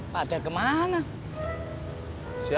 masa sudah maghab usnya